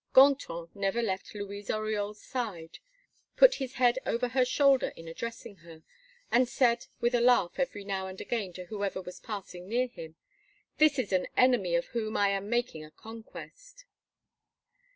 Gontran never left Louise Oriol's side, put his head over her shoulder in addressing her, and said with a laugh every now and again to whoever was passing near him: "This is an enemy of whom I am making a conquest."